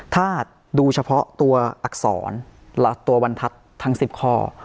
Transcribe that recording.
ถ้าดูเฉพาะตัวอักษรตัวบรรทัศน์ทั้ง๑๐ข้อ